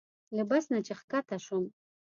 له بس نه چې ښکته شوم.